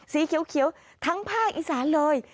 สีเขียวทั้งภาคอีสานเลย